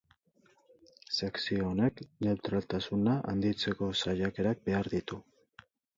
Sekzio honek neutraltasuna handitzeko saiakerak behar ditu.